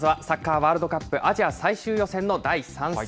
ワールドカップアジア最終予選の第３戦。